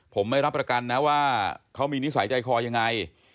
ผมไม่รับประกันนะว่าเขามีนิสัยใจคอยังไง